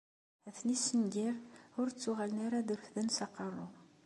Ad ten-issenger, ur ttuɣalen ara ad refden s uqerru.